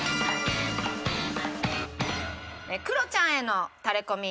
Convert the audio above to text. クロちゃんへのタレコミ